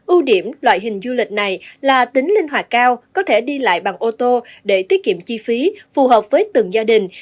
ưu điểm loại hình du lịch này là tính linh hoạt cao có thể đi lại bằng ô tô để tiết kiệm chi phí phù hợp với từng gia đình